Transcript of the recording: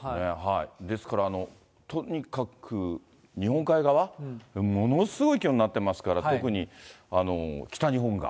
ですから、とにかく日本海側、ものすごい気温になってますから、特に北日本が。